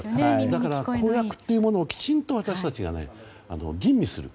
だから、公約っていうものをきちんと私たちが吟味する。